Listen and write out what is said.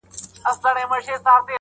• په شاعرۍ کي رياضت غواړمه.